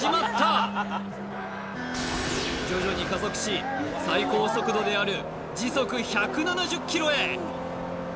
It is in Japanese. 徐々に加速し最高速度である時速１７０ｋｍへ！